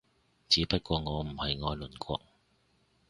只不過我唔係愛鄰國